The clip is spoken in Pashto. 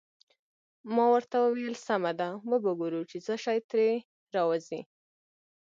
ما ورته وویل: سمه ده، وبه ګورو چې څه شي ترې راوزي.